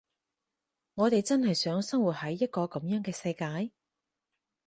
我哋真係想生活喺一個噉樣嘅世界？